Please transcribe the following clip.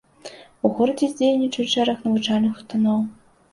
У горадзе дзейнічаюць шэраг навучальных устаноў.